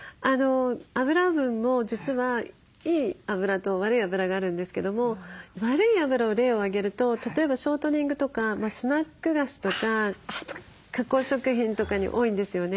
油分も実はいい油と悪い油があるんですけども悪い油を例を挙げると例えばショートニングとかスナック菓子とか加工食品とかに多いんですよね。